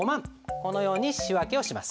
このように仕訳をします。